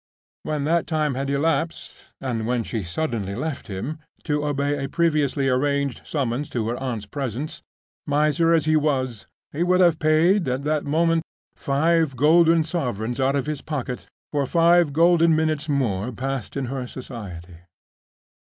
When that time had elapsed, and when she suddenly left him—to obey a previously arranged summons to her aunt's presence—miser as he was, he would have paid at that moment five golden sovereigns out of his pocket for five golden minutes more passed in her society.